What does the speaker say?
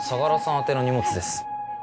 宛ての荷物です。